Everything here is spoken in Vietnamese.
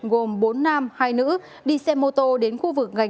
gồm bốn nam hai nữ đi xe mô tô đến khu vực ngành đá diện